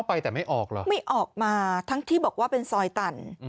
ไปแต่ไม่ออกหรอไม่ออกมาทั้งที่บอกว่าเป็นซอยตัน